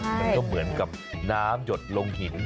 มันก็เหมือนกับน้ำหยดลงหิน